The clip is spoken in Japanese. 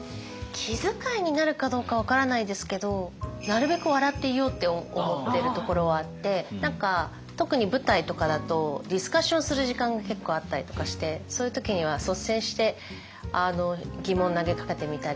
気づかいになるかどうか分からないですけどなるべく笑っていようって思ってるところはあって何か特に舞台とかだとディスカッションする時間が結構あったりとかしてそういう時には率先して疑問を投げかけてみたり。